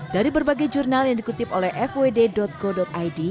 dari berbagai jurnal yang dikutip oleh fwd co id